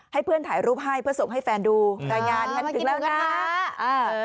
ให้เพื่อนถ่ายรูปให้เพื่อส่งให้แฟนดูรายงานฉันถึงแล้วนะเออ